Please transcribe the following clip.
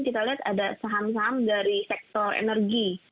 kita lihat ada saham saham dari sektor energi